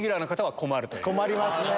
困りますね。